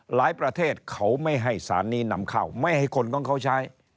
ประเทศเขาไม่ให้สารนี้นำเข้าไม่ให้คนของเขาใช้